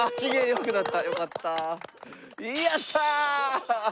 よかった。